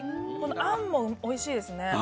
あんもおいしいですね。